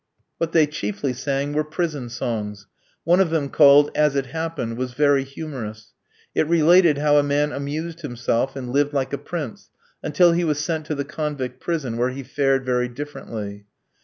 What they chiefly sang were prison songs; one of them, called "As it happened," was very humorous. It related how a man amused himself, and lived like a prince until he was sent to the convict prison, where he fared very differently.